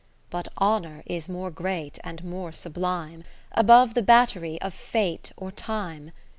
But Honour is more great and more sublime. Above the battery of Fate or Time.